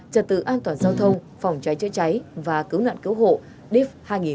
trật tự an toàn giao thông phòng trái chết cháy và cứu nạn cứu hộ div hai nghìn hai mươi ba